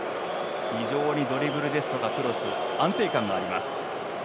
非常にドリブルですとかクロス安定感があります。